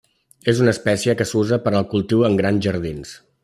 És una espècie que s'usa per al cultiu en grans jardins.